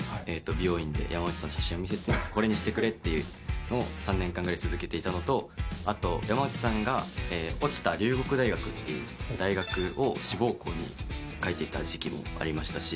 美容院で山内さんの写真を見せて「これにしてくれ」というのを３年間ぐらい続けていたのとあと山内さんが落ちた大学を志望校に書いていた時期もありましたし。